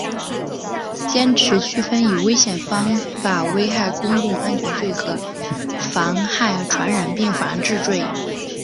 坚持区分以危险方法危害公共安全罪和妨害传染病防治罪